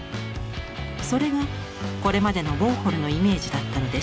それがこれまでのウォーホルのイメージだったのです。